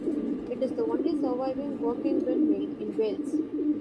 It is the only surviving working windmill in Wales.